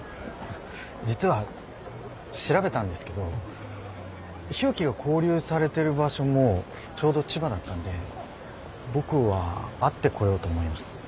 実は調べたんですけど日置が拘留されてる場所もちょうど千葉だったんで僕は会ってこようと思います。